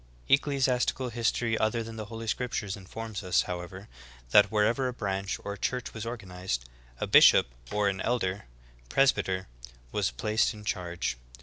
3. Ecclesiastical history other than the holy bcriptures informs us, however, that wherever a branch, or church, was organized, a bishop or an elder (presbyter) was placed in charge.